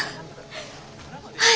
はい！